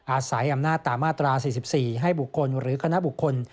อาศัยอำนาจตามมาตรา๔๔ให้บุคคลหรือคณะบุคคล